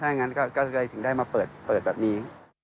ถ้างั้นก็เลยถึงได้มาเปิดแบบนี้